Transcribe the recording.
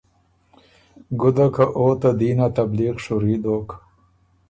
ګُده که او ته دین ا تبلیغ شُوري دوک۔